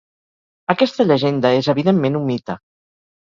Aquesta llegenda és evidentment un mite.